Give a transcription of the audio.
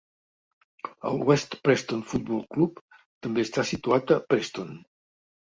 El West Preston Football Club també està situat a Preston.